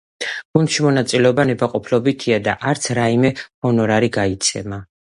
გუნდში მონაწილეობა ნებაყოფლობითია და არც რაიმე ჰონორარი გაიცემა.